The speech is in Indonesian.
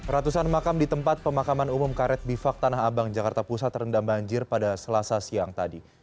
ratusan makam di tempat pemakaman umum karet bifak tanah abang jakarta pusat terendam banjir pada selasa siang tadi